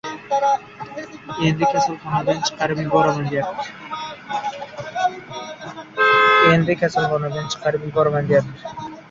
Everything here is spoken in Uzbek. Endi, kasalxonadan chiqarib yuboraman, deyaptimi?!